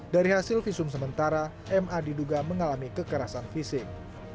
dari hasil visum sementara ma diduga mengalami kekerasan fisik